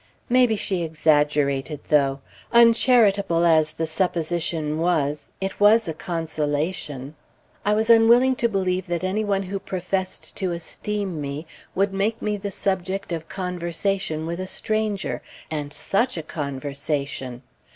Maybe she exaggerated, though! Uncharitable as the supposition was, it was a consolation. I was unwilling to believe that any one who professed to esteem me would make me the subject of conversation with a stranger and such a conversation!